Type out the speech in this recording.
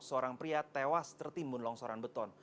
seorang pria tewas tertimbun longsoran beton